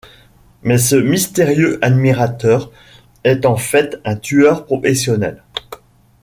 Mais ce mystérieux admirateur est en fait un tueur professionnel.